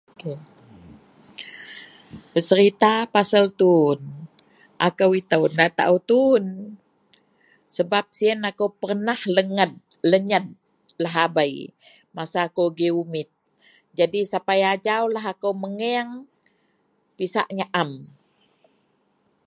peserita pasel tuun, akou itou da taau tuun sebab siyen akou pernah lened lenyed lahabei masa kou agei umit, jadi sapai ajau lah akou megeang pisak nyaam